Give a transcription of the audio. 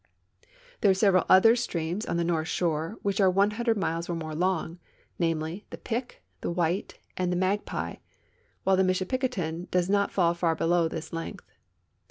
There are several other streams on the north shore which are 100 miles or more long, namely, the Pic, the White, and the Magpie, while the Michipicoten does not fall far below this length.